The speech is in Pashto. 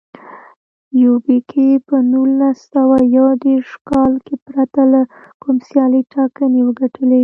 یوبیکو په نولس سوه یو دېرش کال کې پرته له کوم سیاله ټاکنې وګټلې.